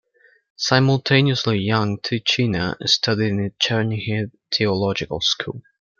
Simultaneously young Tychyna studied in the Chernihiv theological school.